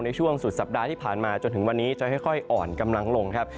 ในช่วงสุดสัปดาห์ที่ผ่านมาจนถึงวันนี้จะค่อยอ่อนกำลังลงครับ